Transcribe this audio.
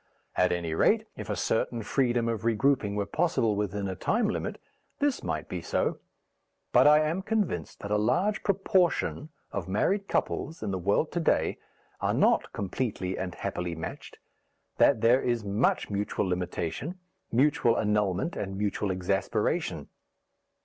At any rate, if a certain freedom of regrouping were possible within a time limit, this might be so. But I am convinced that a large proportion of married couples in the world to day are not completely and happily matched, that there is much mutual limitation, mutual annulment and mutual exasperation.